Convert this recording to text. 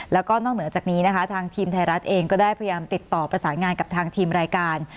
แล้วก็นอกเหนือจากนี้นะคะทางทีมไทยรัฐเองก็ได้พยายามติดต่อประสานงานกับทางทีมรายการ